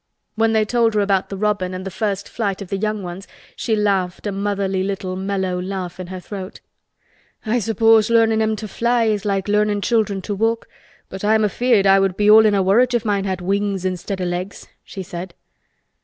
When they told her about the robin and the first flight of the young ones she laughed a motherly little mellow laugh in her throat. "I suppose learnin' 'em to fly is like learnin' children to walk, but I'm feared I should be all in a worrit if mine had wings instead o' legs," she said.